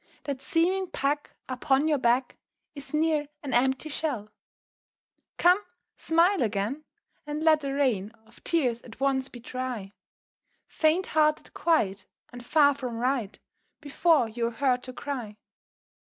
That seeming pack Upon your back Is near an empty shell. [Illustration: "Leave care behind."] Come! smile again, And let the rain Of tears at once be dry; Faint hearted quite, And far from right, Before you're hurt to cry.